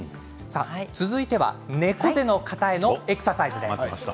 続いては猫背の方へのエクササイズです。